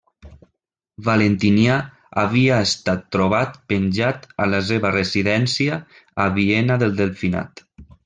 Valentinià havia estat trobat penjat a la seva residència a Viena del Delfinat.